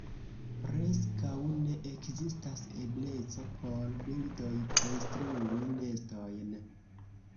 Preskaŭ ne ekzistas ebleco por birdoj konstrui nestojn.